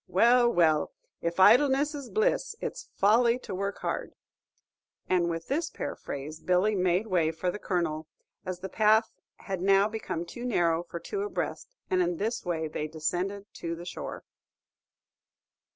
Well, well! 'if idleness is bliss, it's folly to work hard.'" And with this paraphrase, Billy made way for the Colonel, as the path had now become too narrow for two abreast, and in this way they descended to the shore.